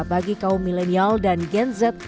bagi kaum milenial dan genzet